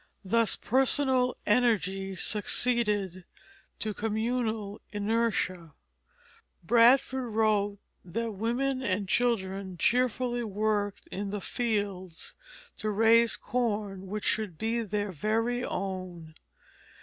Thus personal energy succeeded to communal inertia; Bradford wrote that women and children cheerfully worked in the fields to raise corn which should be their very own.